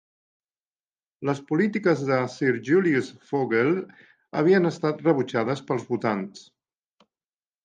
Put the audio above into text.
Les polítiques de Sir Julius Vogel havien estat rebutjades pels votants.